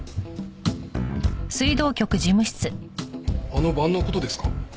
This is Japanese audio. あの晩の事ですか？